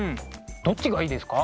どっちがいいですか？